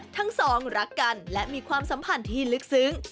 ทั้งสองรักกันและมีความสัมพันธ์ที่ลึกซึ้ง